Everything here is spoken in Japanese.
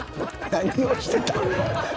何をしてたん？